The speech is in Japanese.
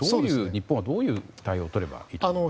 日本はどういう対応を取ればいいですか。